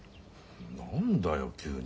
何だよ急に。